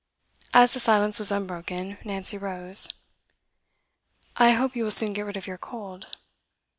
As the silence was unbroken, Nancy rose. 'I hope you will soon get rid of your cold.